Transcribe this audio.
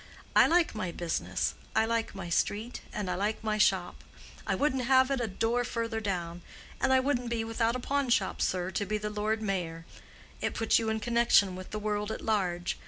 I like my business, I like my street, and I like my shop. I wouldn't have it a door further down. And I wouldn't be without a pawn shop, sir, to be the Lord Mayor. It puts you in connection with the world at large.